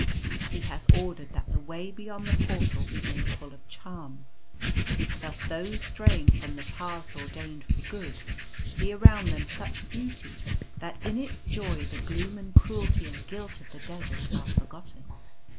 He has ordered that the way beyond the Portal be made full of charm, Thus those straying from the paths ordained for good see around them such beauty that in its joy the gloom and cruelty and guilt of the desert are forgotten.